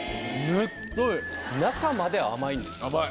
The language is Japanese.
中まで甘いんです